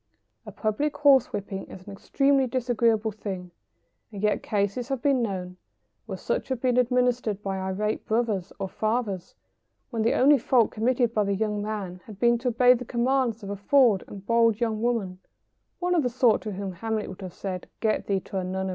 A public horse whipping is an extremely disagreeable thing, and yet cases have been known when such have been administered by irate brothers or fathers, when the only fault committed by the young man had been to obey the commands of a forward and bold young woman one of the sort to whom Hamlet would have said, "Get thee to a nunnery."